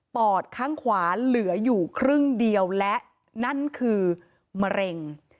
อดข้างขวาเหลืออยู่ครึ่งเดียวและนั่นคือมะเร็ง